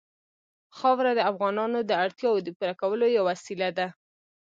خاوره د افغانانو د اړتیاوو د پوره کولو یوه وسیله ده.